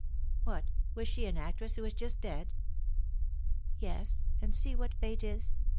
"What, was she an actress who is just dead?" "Yes. And see what fate is!